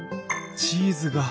チーズが。